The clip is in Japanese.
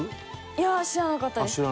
いや知らなかったです。